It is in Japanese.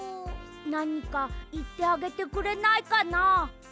なにかいってあげてくれないかな？